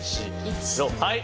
はい！